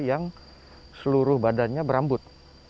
yang seluruh badannya berambut